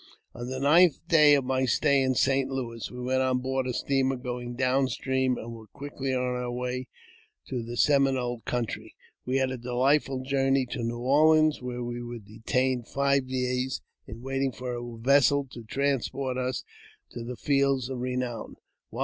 On the ninth day of my stay in St. Louis, we went on board a steamer going down stream, and were quickly on our way to the Seminole country. We had a delightful journey to New Orleans, where we were detained five days in waiting for a' vessel to transport us to the fields of "renown." While!